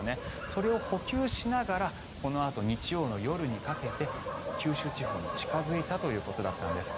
それを補給しながらこのあと日曜の夜にかけて九州地方に近付いたということだったんです。